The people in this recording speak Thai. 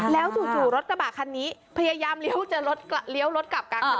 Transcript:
แล้วจู่รถกระบาดคันนี้พยายามเลี้ยวรถกลับกลางกระโดด